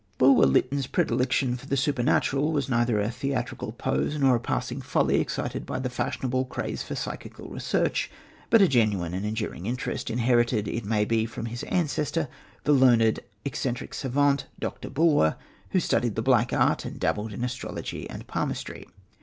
Bulwer Lytton's predilection for the supernatural was neither a theatrical pose nor a passing folly excited by the fashionable craze for psychical research, but a genuine and enduring interest, inherited, it may be, from his ancestor, the learned, eccentric savant, Dr. Bulwer, who studied the Black Art and dabbled in astrology and palmistry.